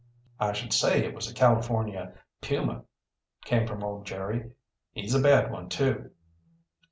"I should say it was a California puma," came from old Jerry. "He's a bad one, too."